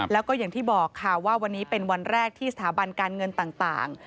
แล้วก็อย่างที่บอกค่ะว่าวันนี้เป็นวันแรกที่สถาบันการเงินต่าง